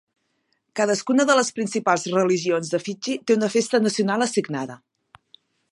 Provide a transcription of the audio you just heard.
Cadascuna de les principals religions de Fidgi té una festa nacional assignada.